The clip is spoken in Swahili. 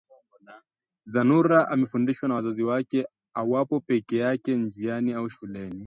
Zanura amefundishwa na wazazi wake awapo pekee yake njiani au shuleni